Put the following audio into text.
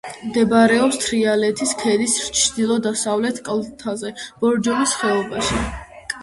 მდებარეობს თრიალეთის ქედის ჩრდილო-დასავლეთ კალთაზე, ბორჯომის ხეობაში.